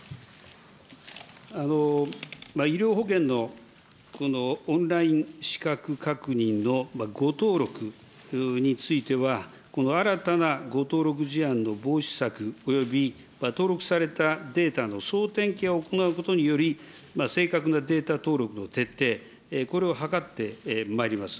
医療保険のオンライン資格確認の誤登録については、新たな誤登録事案の防止策および登録されたデータの総点検を行うことにより、正確なデータ登録の徹底、これを図ってまいります。